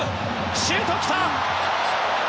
シュート来た！